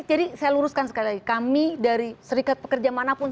jadi saya luruskan sekali lagi kami dari serikat pekerja manapun